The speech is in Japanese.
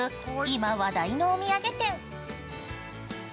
今話題のお土産店。